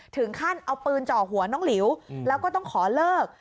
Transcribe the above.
ถึงขั้นเอาปืนเจาะหัวน้องหลิวแล้วก็ต้องขอเลิก